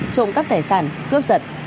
trộm cắp tài sản cướp giật